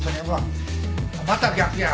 また逆や。